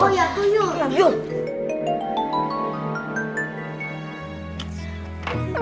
oh ya tuyul